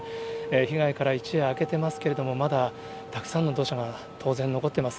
被害から一夜明けてますけれども、まだたくさんの土砂が、当然残ってます。